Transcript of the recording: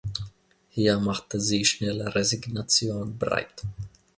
Hier machte sich schnell Resignation breit.